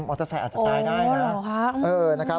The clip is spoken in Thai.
มอเตอร์ไซน์อาจจะตายได้นะอ๋อหรือครับ